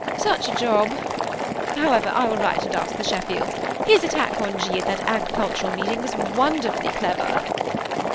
Such a job ! However, I will write and ask the Shef fields; his attack on G. at that agricultural meeting was wonderfully clever."